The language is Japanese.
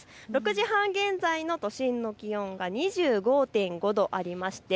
６時半現在の都心の気温が２５．５度ありまして